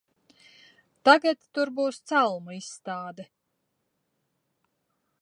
Tagad tur būs celmu izstāde.